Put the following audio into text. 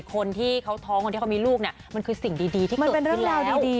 คนที่เขาท้องคนที่เขามีลูกเนี่ยมันคือสิ่งดีที่มันเป็นเรื่องราวดี